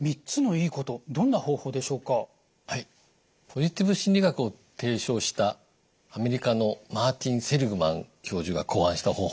ポジティブ心理学を提唱したアメリカのマーティン・セリグマン教授が考案した方法ですね。